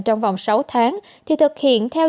trong vòng sáu tháng thì thực hiện theo dõi